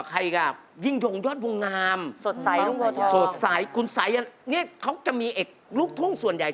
ใครกับยิ่งยงยอดวงงามสดใสคุณสัยเนี่ยเขาจะมีเอกลูกทุ่งส่วนใหญ่